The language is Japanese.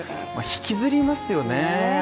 引きずりますよね。